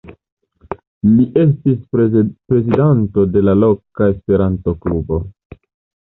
Li estis prezidanto de la loka Esperanto-grupo.